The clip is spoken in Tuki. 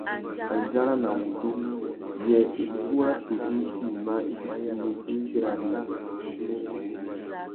Andjara na wudjú : yê ikú râ tudju tïma i fitimú udjï tirari na tukí ?